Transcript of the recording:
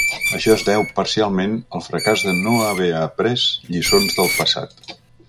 Això es deu parcialment al fracàs de no haver après lliçons del passat.